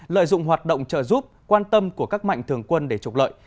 lợi dụng hoạt động trợ giúp quan tâm của các mạnh thường quân để trục lợi